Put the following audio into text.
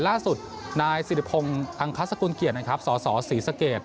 ครั้งล่าสุดนายสิริพงศ์ทางคลัศกูลเกียรติสสศรีสะเกด